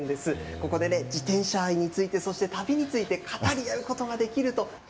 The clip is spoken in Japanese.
ここでね、自転車愛について、そして旅について語り合うことができると。